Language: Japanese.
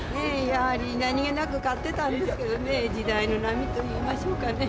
やはり、何気なく買ってたんですけどね、時代の波といいましょうかね。